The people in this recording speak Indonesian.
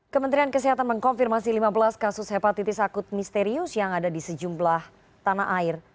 kementerian kesehatan mengkonfirmasi lima belas kasus hepatitis akut misterius yang ada di sejumlah tanah air